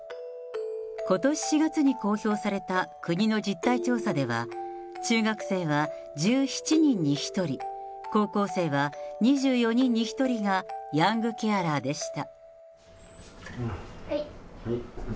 ことし４月に公表された国の実態調査では、中学生は１７人に１人、高校生は２４人に１人が、ヤングケアラーでした。